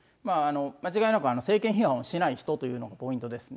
間違いなく政権批判をしない人というのがポイントですね。